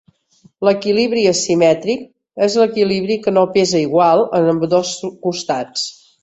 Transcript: L'equilibri asimètric és l'equilibri que no pesa igual en ambdós costats.